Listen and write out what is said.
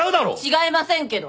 違いませんけど。